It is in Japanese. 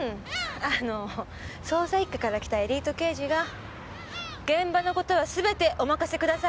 あの捜査一課から来たエリート刑事が現場のことはすべてお任せください！